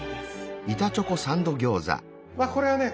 まあこれはね